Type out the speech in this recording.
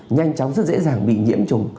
nhanh chóng rất dễ dàng bị nhiễm trùng